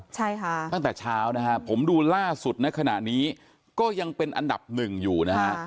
ใช่ค่ะตั้งแต่เช้านะฮะผมดูล่าสุดในขณะนี้ก็ยังเป็นอันดับหนึ่งอยู่นะฮะ